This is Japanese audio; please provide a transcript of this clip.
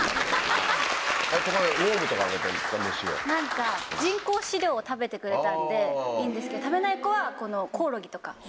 何か人工飼料を食べてくれたんでいいんですけど食べないコはこのコオロギとか。